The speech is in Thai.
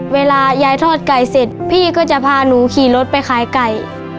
เวลายายทอดไก่เสร็จพี่ก็จะพาหนูขี่รถไปขายไก่